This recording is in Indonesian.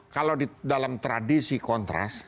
kalau dalam tradisi kontras